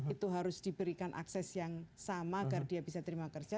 itu harus diberikan akses yang sama agar dia bisa terima kerja